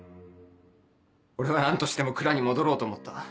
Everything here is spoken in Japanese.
俺は何としても蔵に戻ろうと思った。